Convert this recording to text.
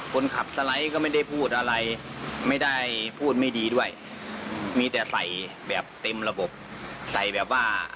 เพราะว่าเราก็ได้พูดว่ามันผิดขนาดนั้นมันผิดขนาดนั้นมันผิดขนาดนั้น